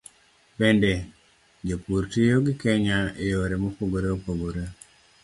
Bende, jopur tiyo gi Kenya e yore mopogore opogore.